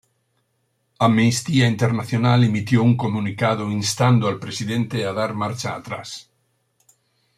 Amnistía Internacional emitió un comunicado instando al presidente a dar marcha atrás.